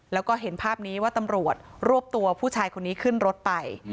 แล้วก็เห็นภาพนี้ว่าตำรวจรวบตัวผู้ชายคนนี้ขึ้นรถไป